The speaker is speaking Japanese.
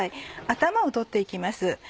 頭を取って行きます。